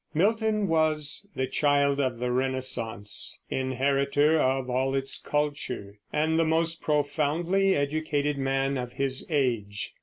Milton was the child of the Renaissance, inheritor of all its culture, and the most profoundly educated man of his age.